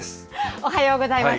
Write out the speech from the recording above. おはようございます。